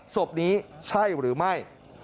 ศพนี้ใช่หรือไม่